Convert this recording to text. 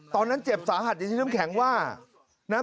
ตอนนั้นเจ็บสหัสใจที่เริ่มแข็งว่า